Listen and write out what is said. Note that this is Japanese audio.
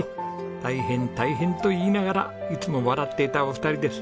大変大変と言いながらいつも笑っていたお二人です。